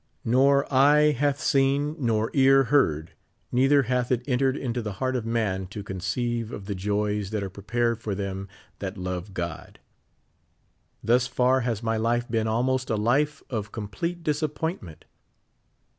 Nor eye hath seen nor ear heard, neither hath it entered into the heart of man to conceive of the joys that are prepared for them that love God. Thus far has my life been almost a life of complete dis appointment.